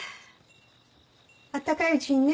あったかいうちにね。